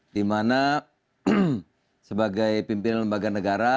di mana sebagai pimpinan lembaga negara